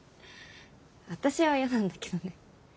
私はやなんだけどね。